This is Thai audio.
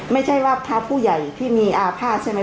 ไม่ใช่ว่าพระผู้ใหญ่ที่มีอาภาษณ์ใช่ไหม